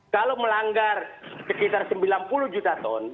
kalau melanggar sekitar sembilan puluh juta ton